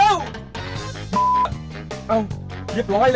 โอ้วยรถไหล